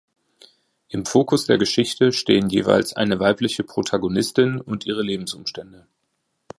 Im Fokus der Geschichten stehen jeweils eine weibliche Protagonistin und ihre Lebensumstände.